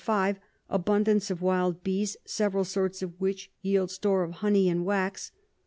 Abundance of wild Bees, several sorts of which yield store of Honey and Wax.